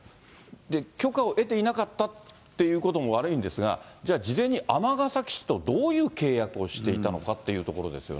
許可を得ていなかったということも悪いんですが、じゃあ、事前に尼崎市とどういう契約をしていたのかっていうところですよ